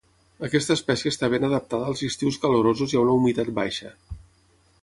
Aquesta espècie està ben adaptada als estius calorosos i a una humitat baixa.